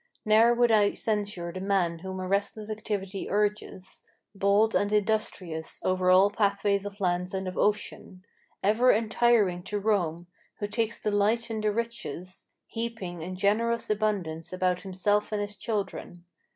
Ne'er would I censure the man whom a restless activity urges, Bold and industrious, over all pathways of land and of ocean, Ever untiring to roam; who takes delight in the riches, Heaping in generous abundance about himself and his children.